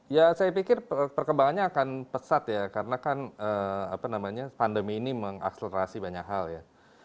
ya saya pikir perkembangannya akan pesat ya karena kan pandemi ini mengakselerasi banyak hal ya